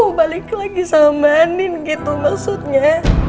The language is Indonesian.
kamu mau balik lagi sama anin gitu maksudnya